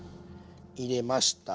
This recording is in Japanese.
入れました。